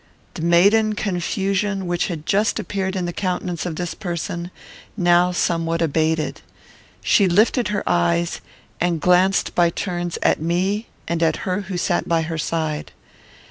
The maiden confusion which had just appeared in the countenance of this person now somewhat abated. She lifted her eyes, and glanced by turns at me and at her who sat by her side.